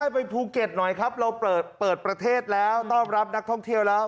ไปภูเก็ตหน่อยครับเราเปิดประเทศแล้วต้อนรับนักท่องเที่ยวแล้ว